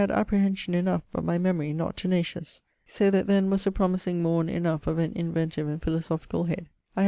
apprehension enough, but my memorie not tenacious. So that then was a promising morne enough of an inventive and philosophicall head.